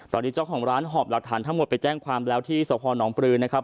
ตอนนี้เจ้าของร้านหอบหลักฐานทั้งหมดไปแจ้งความแล้วที่สพนปลือนะครับ